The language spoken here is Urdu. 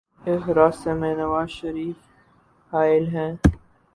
اس راستے میں نوازشریف حائل ہیں۔